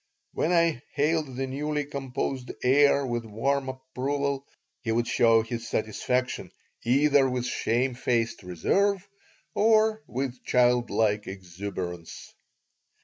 When I hailed the newly composed air with warm approval he would show his satisfaction either with shamefaced reserve or with child like exuberance.